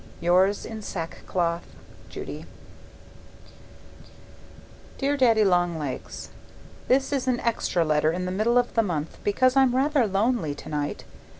Yours in sackcloth, Judy Dear Daddy Long Legs, This is an extra letter in the middle of the month because I'm rather lonely tonight.